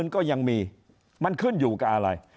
ก็ยังมีมันขึ้นอยู่กับอะไร